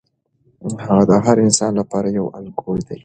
هغه د هر انسان لپاره یو الګو دی.